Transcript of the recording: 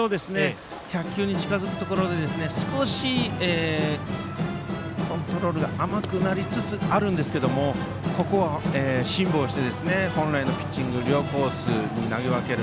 １００球に近づくところで少しコントロールが甘くなりつつありますがここを辛抱して本来のピッチング両コースに投げ分ける。